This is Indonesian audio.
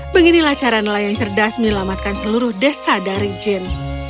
beginilah cara nelayan cerdas menyelamatkan seluruh desa dari jin